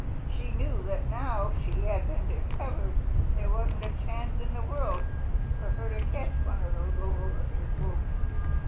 She knew that, now she had been discovered, there wasn't a chance in the world for her to catch one of those Old Orchard folks.